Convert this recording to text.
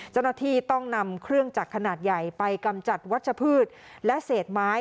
เจ้าหน้าที่ต้องนำเครื่องจักรขนาดใหญ่ไปกำจัดวัชพืชและเศษไม้